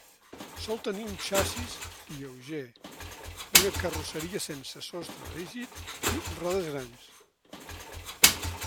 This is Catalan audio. Sol tenir un xassís lleuger, una carrosseria sense sostre rígid i rodes grans.